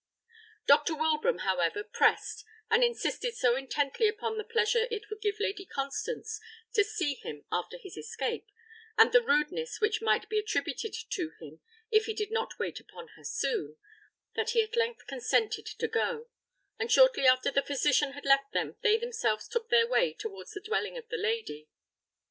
Dr. Wilbraham, however, pressed, and insisted so intently upon the pleasure it would give Lady Constance to see him after his escape, and the rudeness which might be attributed to him if he did not wait upon her soon, that he at length consented to go; and shortly after the physician had left them they themselves took their way towards the dwelling of the lady.